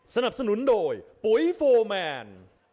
สนับสนุนโดยปุ๋ยโฟร์แมน